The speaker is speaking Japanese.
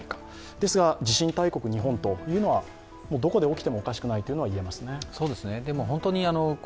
ですが、地震大国・日本では、どこで起きてもおかしくないとは言えますね。